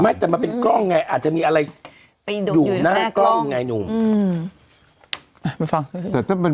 มันมันมันมันมันมันมันมันมันมันมันมันมันมันมันมันมันมัน